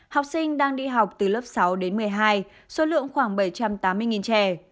học sinh đang đi học từ lớp sáu đến một mươi hai số lượng khoảng bảy trăm tám mươi trẻ